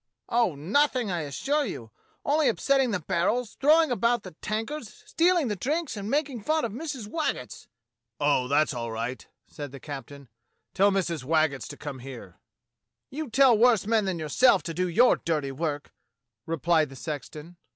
"Oh, nothing, I assure you! Only upsetting the barrels, throwin' about the tankards, stealin' the drinks, and makin' fun of Missus Waggetts." "Oh, that's all right," said the captain. "Tell Mrs. Waggetts to come here." 36 DOCTOR SYN "You tell worse men than yourself to do your dirty work," replied the sexton.